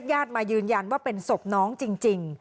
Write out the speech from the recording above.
ญาติมายืนยันว่าเป็นศพน้องจริง